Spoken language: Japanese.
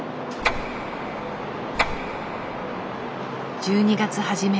１２月初め